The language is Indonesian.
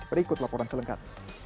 berikut laporan selengkap